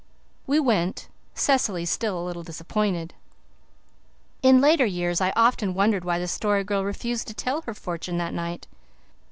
We went, Cecily still a little disappointed. In later years I often wondered why the Story Girl refused to tell her fortune that night.